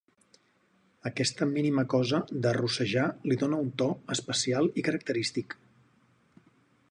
Aquesta mínima cosa de rossejar li dóna un to especial i característic